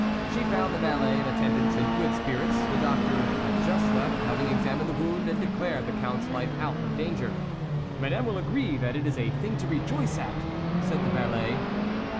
She found the valet in attendance in good spirits ; the doctor had just left, having examined the wound, and declared the Count's life out of danger. " Madame will agree that it is a thing to rejoice at !" said the valet.